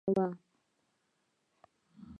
چا غوږ کي راته وويل، چي جانان مه يادوه